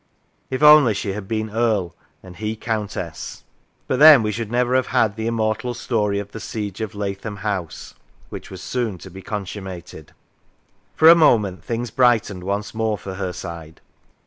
If only she had been Earl and he Countess ! But then we should never have had the immortal story of the siege of Lathom House, which was soon to be consummated. For a moment things brightened once more for her side.